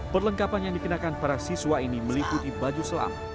perlengkapan yang dikenakan para siswa ini meliputi baju selam